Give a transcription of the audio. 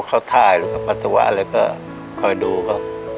เขาท่ายหรือปัตตาวะแล้วก็คอยดูเขา